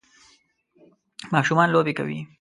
ماشومان لوبی کوی.